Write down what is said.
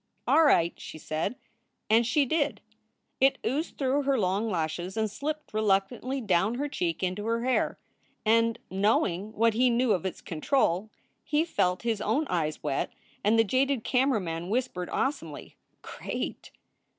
" "All right," she said. And she did. It oozed through her long lashes and slipped reluctantly down her cheek into her hair. And, knowing what he knew of its control, he felt his own eyes wet, and the jaded camera man whispered, awesomely, "Great!"